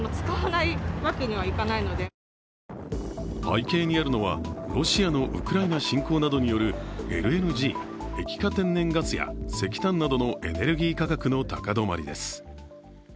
背景にあるのはロシアのウクライナ侵攻などによるＬＮＧ＝液化天然ガスや石炭などのエネルギー価格の高止まりです。